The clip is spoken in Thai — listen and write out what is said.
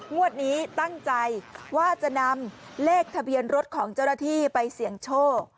งวดนี้ตั้งใจว่าจะนำเลขทะเบียนรถของเจ้าหน้าที่ไปเสี่ยงโชค